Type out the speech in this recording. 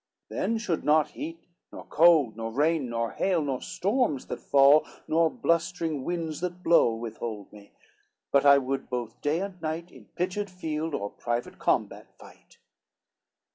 Then should not heat, nor cold, nor rain, nor hail, Nor storms that fall, nor blustering winds that blow Withhold me, but I would both day and night, In pitched field, or private combat fight.